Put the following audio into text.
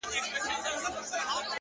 د زړه سکون له پاک فکر راځي.